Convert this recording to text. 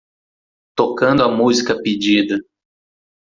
Tocando a música pedida.